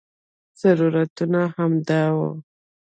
ضرورتونه همدا وو.